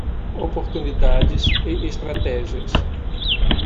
Oportunidades e estratégias